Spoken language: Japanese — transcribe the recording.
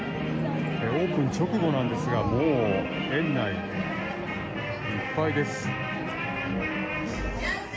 オープン直後なんですがもう園内いっぱいです。